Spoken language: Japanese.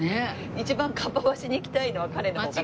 一番かっぱ橋に行きたいのは彼の方かも。